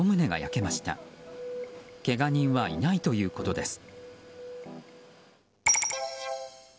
けが人はいないということです。